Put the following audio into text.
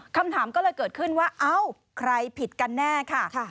คำถามก็เลยเกิดขึ้นว่าเอ้าใครผิดกันแน่ค่ะ